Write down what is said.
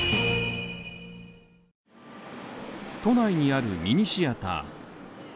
都内にあるミニシアター。